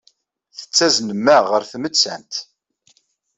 Tettaznem-aɣ ɣer tmettant.